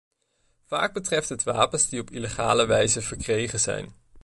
Vaak betreft het wapens die op illegale wijze verkregen zijn.